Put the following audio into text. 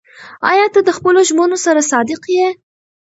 ایا ته د خپلو ژمنو سره صادق یې؟